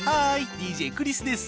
ＤＪクリスです。